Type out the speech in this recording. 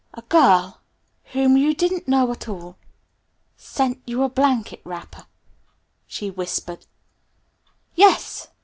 "A girl whom you didn't know at all sent you a blanket wrapper?" she whispered. "Yes!"